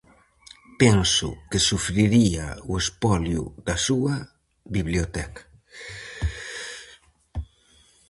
Penso que sufriría o espolio da súa biblioteca.